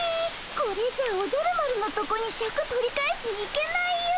これじゃあおじゃる丸のとこにシャク取り返しに行けないよ。